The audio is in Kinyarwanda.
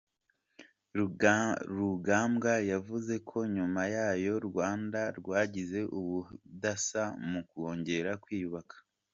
Rugambwa yavuze ko nyuma yayo u Rwanda rwagize ubudasa mu kongera kwiyubaka.